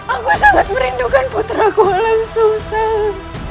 aku sangat merindukan putraku walang sungsang